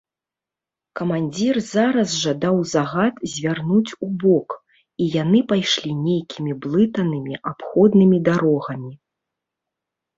Камандзір зараз жа даў загад звярнуць убок, і яны пайшлі нейкімі блытанымі абходнымі дарогамі.